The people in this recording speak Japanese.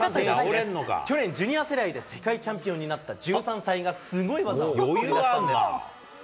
去年、ジュニア世代で世界チャンピオンになった１３歳がすごい技を繰り出したんです。